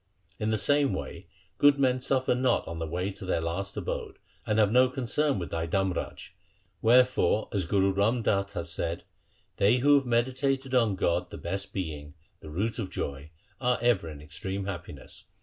In the same way good men suffer not on the way to their last abode, and have no concern with thy Dharmraj. Wherefore as Guru Ram Das hath said :— They who have meditated on God the best Being, the Root of joy, are ever in extreme happiness.